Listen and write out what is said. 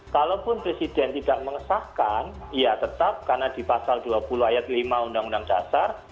kalaupun presiden tidak mengesahkan ya tetap karena di pasal dua puluh ayat lima undang undang dasar